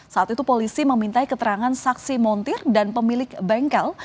saat itu polisi memintai keterangan saksi montir dan pemilik bengkel